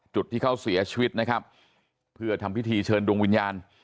จุดที่เขาเสียชีวิตนะครับเพื่อทำพิธีเชิญดวงวิญญาณ